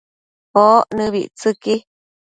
oc nëbictsëqui